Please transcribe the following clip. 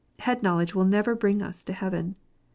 Head knowledge will never bring us to heaven.